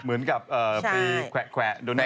เหมือนกับไปแขวะ